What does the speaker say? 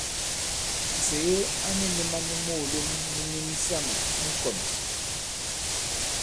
Nsège a ni ndī man nu moòlom nu myu misamà nu kɔ̀n.